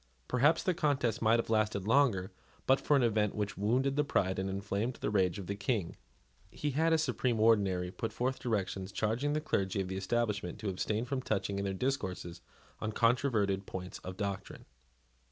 Perhaps the contest might have lasted longer, but for an event which wounded the pride and inflamed the rage of the King. He had, as supreme ordinary, put forth directions, charging the clergy of the establishment to abstain from touching in their discourses on controverted points of doctrine.